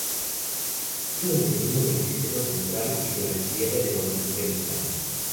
Es un endemismo del Sistema Central y de la Sierra de Guadalupe en España.